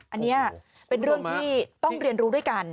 อันนี้เป็นเรื่องที่ต้องเรียนรู้ด้วยกัน